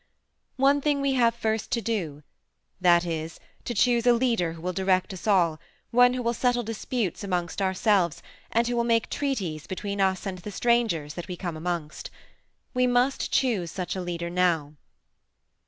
"One thing we have first to do that is, to choose a leader who will direct us all, one who will settle disputes amongst ourselves and who will make treaties between us and the strangers that we come amongst. We must choose such a leader now."